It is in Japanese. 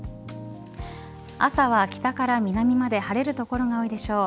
朝は北から南まで晴れる所が多いでしょう。